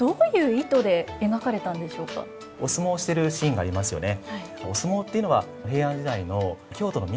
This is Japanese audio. お相撲をしているシーンがありますよね。